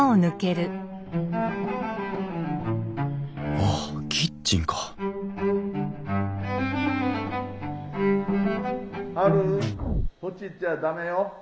あっキッチンか・ハルそっち行っちゃ駄目よ。